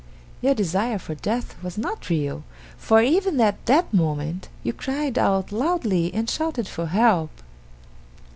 Your desire for death was not real, for even at that moment you cried out loudly and shouted for help.